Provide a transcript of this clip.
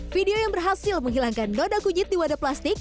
video yang berhasil menghilangkan noda kunyit di wadah plastik